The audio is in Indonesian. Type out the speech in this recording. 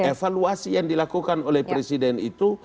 evaluasi yang dilakukan oleh presiden itu